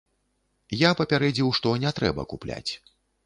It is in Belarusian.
Я папярэдзіў, што не трэба купляць.